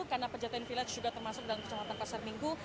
karena pejaten village juga termasuk dalam kecamatan pasar minggu